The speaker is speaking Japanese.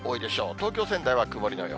東京、仙台は曇りの予報。